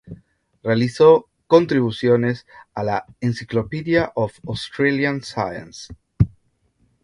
Realizó contribuciones a la "Encyclopedia of Australian Science".